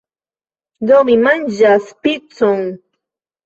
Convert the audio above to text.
Do, mi manĝas picon!